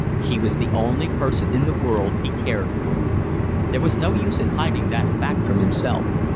She was the only person in the world he cared for. There was no use in hiding that fact from himself.